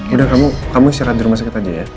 udah kamu istirahat di rumah sakit aja ya